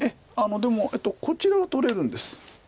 でもこちらは取れるんです。